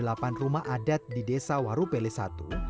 ada sedikitnya tiga puluh delapan rumah adat di desa waru peli satu